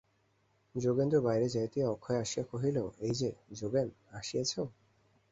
যোগেন্দ্র বাহিরে যাইতেই অক্ষয় আসিয়া কহিল, এই-যে, যোগেন আসিয়াছ।